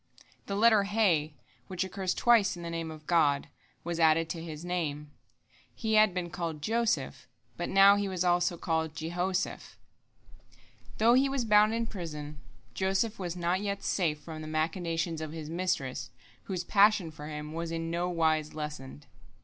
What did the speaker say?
The letter He, which occurs twice in the Name of God, was added to his name. He had been called Joseph, but now he was called also Jehoseph. Though he was bound in prison, Joseph was not yet safe from the machinations of his mistress, whose passion for him was in no wise lessened.